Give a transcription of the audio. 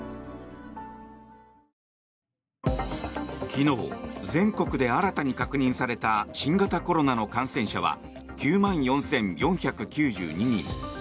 昨日、全国で新たに確認された新型コロナの感染者は９万４４９２人。